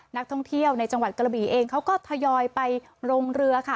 นักท่องเที่ยวในจังหวัดกระบี่เองเขาก็ทยอยไปลงเรือค่ะ